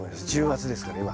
１０月ですから今。